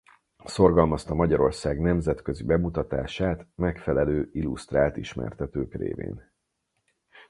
Szorgalmazta Magyarország nemzetközi bemutatását megfelelő illusztrált ismertetők révén.